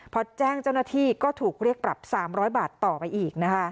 พอแจ้งเจ้าหน้าที่ก็ถูกเรียกปรับ๓๐๐บาทต่อไปอีกนะคะ